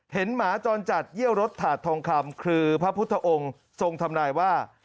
หมาจรจัดเยี่ยวรถถาดทองคำคือพระพุทธองค์ทรงทำนายว่า